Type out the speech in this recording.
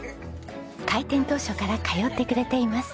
開店当初から通ってくれています。